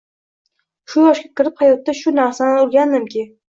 Shu yoshga kirib hayotda shu narsani o’rgandimki